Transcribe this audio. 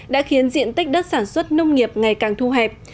đã khiến diện tích đất sản xuất nông nghiệp ngày càng thu hẹp